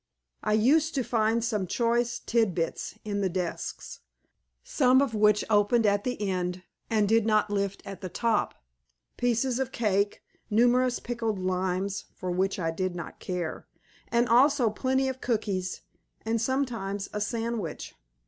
I used to find some choice tid bits in the desks, some of which opened at the end, and did not lift at the top; pieces of cake, numerous pickled limes (for which I did not care), and also plenty of cookies, and sometimes a sandwich.